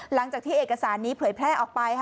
หลังจากที่เอกสารนี้เผยแพร่ออกไป